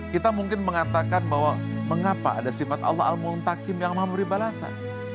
kita mungkin mengatakan bahwa mengapa ada sifat allah al mu'l takim yang memuri balasan